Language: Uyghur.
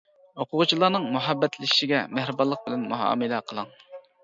ئوقۇغۇچىلارنىڭ «مۇھەببەتلىشىشىگە» مېھرىبانلىق بىلەن مۇئامىلە قىلىڭ.